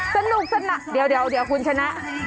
สนุกสำหรับเดี๋ยวเดี๋ยวคุณชนะ